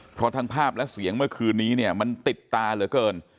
เพราะทั้งภาพและเสียงเมื่อคืนนี้เนี่ยมันติดตาเหลือเกิน